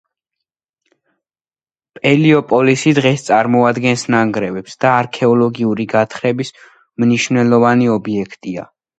ჰელიოპოლისი დღეს წარმოადგენს ნანგრევებს და არქეოლოგიური გათხრების მნიშვნელოვანი ობიექტია.